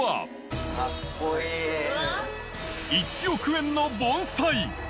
１億円の盆栽。